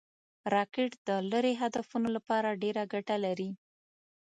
راکټ د لرې هدفونو لپاره ډېره ګټه لري